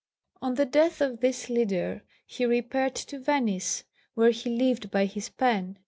On the death of this leader he repaired to Venice, where he lived by his pen.